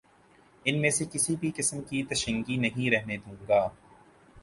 ان میں کسی بھی قسم کی تشنگی نہیں رہنے دوں گا